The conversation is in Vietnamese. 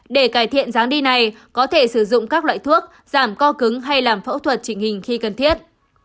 để cải thiện dáng đi này có thể sử dụng các loại thuốc giảm co cứng hay làm phẫu thuật trình hình khi cần thiết